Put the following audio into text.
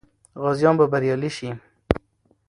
غازیان به بریالي سي.